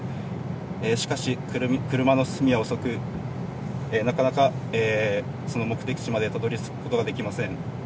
しかし、車の進みは遅く、なかなかその目的地までたどりつくことができません。